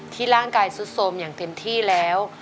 ที่ร่างกายซะซมอย่างเต็มที่แล้ว